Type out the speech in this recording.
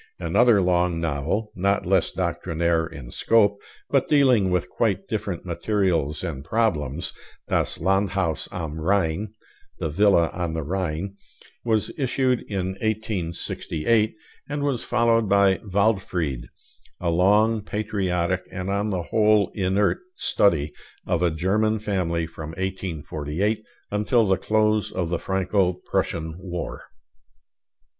Another long novel, not less doctrinaire in scope, but dealing with quite different materials and problems, 'Das Landhaus am Rhein' (The Villa on the Rhine), was issued in 1868; and was followed by 'Waldfried,' a long, patriotic, and on the whole inert, study of a German family from 1848 until the close of the Franco Prussian War.